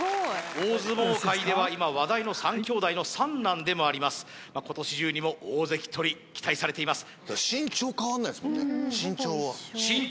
大相撲界では今話題の三兄弟の三男でもあります今年中にも大関とり期待されています